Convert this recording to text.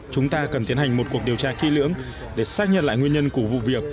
chúng ta cần tiến hành một cuộc điều tra kỹ lưỡng để xác nhận lại nguyên nhân của vụ việc